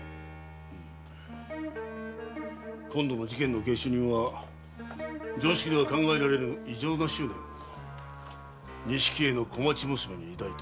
今度の事件の下手人は常識では考えられぬ異常な執念を錦絵の小町娘に抱いておる。